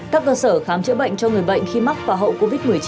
các cơ sở khám chữa bệnh cho người bệnh khi mắc và hậu covid một mươi chín